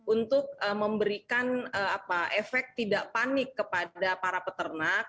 untuk memberikan efek tidak panik kepada para peternak